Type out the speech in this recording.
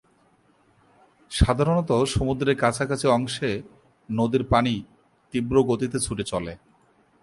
সাধারণত সমুদ্রের কাছাকাছি অংশে নদীর পানি তীব্র গতিতে ছুটে চলে।